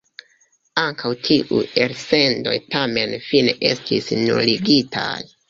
Ankaŭ tiuj elsendoj tamen fine estis nuligitaj.